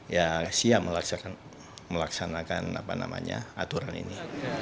ya siap melaksanakan aturan ini